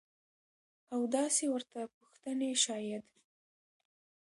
او داسې ورته پوښتنې شايد.